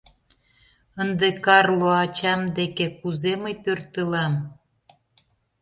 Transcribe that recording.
Ынде Карло ачам деке кузе мый пӧртылам?